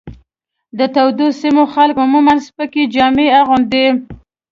د تودو سیمو خلک عموماً سپکې جامې اغوندي.